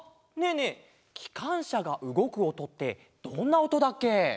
えきかんしゃがうごくおとってどんなおとだっけ？